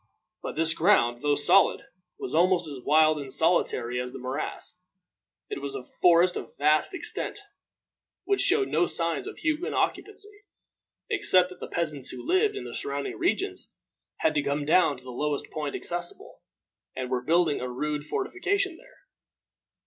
But this ground, though solid, was almost as wild and solitary as the morass. It was a forest of vast extent, which showed no signs of human occupancy, except that the peasants who lived in the surrounding regions had come down to the lowest point accessible, and were building a rude fortification there.